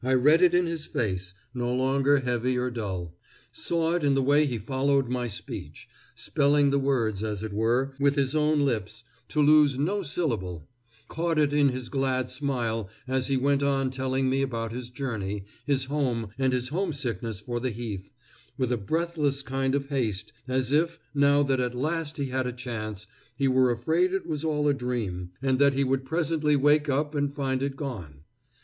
I read it in his face, no longer heavy or dull; saw it in the way he followed my speech spelling the words, as it were, with his own lips, to lose no syllable; caught it in his glad smile as he went on telling me about his journey, his home, and his homesickness for the heath, with a breathless kind of haste, as if, now that at last he had a chance, he were afraid it was all a dream, and that he would presently wake up and find it gone.